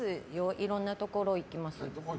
いろんなところ行きます。